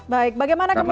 baik bagaimana kemudian